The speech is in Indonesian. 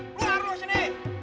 keluar lo sini